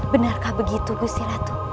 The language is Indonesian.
benarkah begitu gusti ratu